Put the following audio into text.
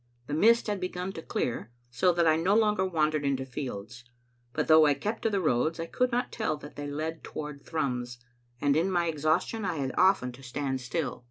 The mist had begun to clear, so that I no longer wandered into fields; but though I kept to the roads, I could not tell that they led toward Thrums, and in my exhaustion I had often to stand still.